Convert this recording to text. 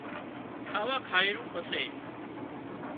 کاوا کائي رون پسي